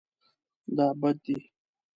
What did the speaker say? دا بد دی